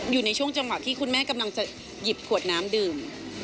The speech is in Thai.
อยู่ในช่วงจังหวะที่คุณแม่กำลังจะหยิบขวดน้ำดื่ม